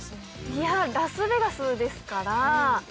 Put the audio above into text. いやラスベガスですから。